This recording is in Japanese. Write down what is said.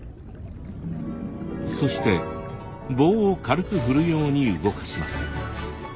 そして棒を軽く振るように動かします。